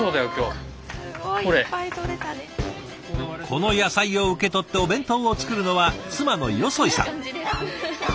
この野菜を受け取ってお弁当を作るのは妻の粧さん。